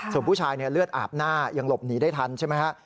ส่วนผู้ชายเลือดอาบหน้ายังหลบหนีได้ทันใช่ไหมฮะ